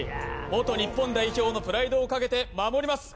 元日本代表のプライドをかけて守ります。